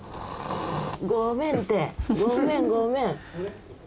ごめんてごめんごめん。